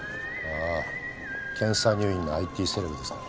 ああ検査入院のＩＴセレブですか。